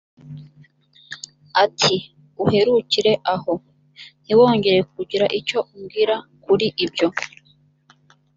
ati «uherukire aho! ntiwongere kugira icyo umbwira kuri ibyo!